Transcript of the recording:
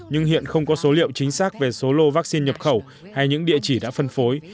nhưng hiện không có số liệu chính xác về số lô vaccine nhập khẩu hay những địa chỉ đã phân phối